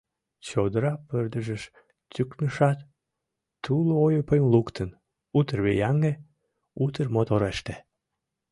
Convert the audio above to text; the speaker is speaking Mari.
Чодыра пырдыжыш тӱкнышат, тулойыпым луктын, утыр вияҥе, утыр мотореште.